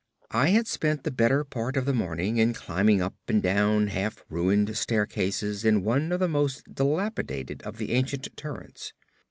I had spent the better part of the morning in climbing up and down half ruined staircases in one of the most dilapidated of the ancient turrets.